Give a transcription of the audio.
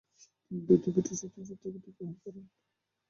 তিনি দ্বৈত ব্রিটিশ-আইরিশ জাতীয়তা গ্রহণ করেন।